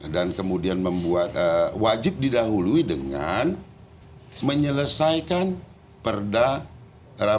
dan kemudian membuat wajib didahului dengan menyelesaikan perda